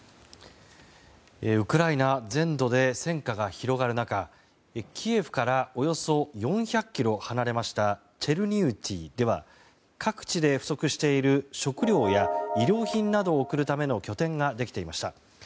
ウクライナ全土で戦火が広がる中キエフからおよそ４００ｋｍ離れたチェルニウツィでは各地で不足している食料や衣料品などを送るための拠点ができていました。